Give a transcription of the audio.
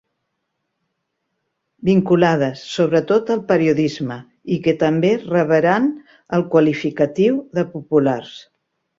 Vinculades, sobretot, al periodisme i que també reberen el qualificatiu de «populars».